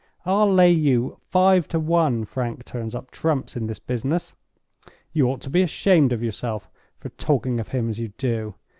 I'll lay you five to one Frank turns up trumps in this business! You ought to be ashamed of yourself for talking of him as you do.